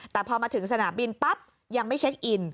แต่พอมาถึงสนามบินปั๊บยังไม่เช็คอิน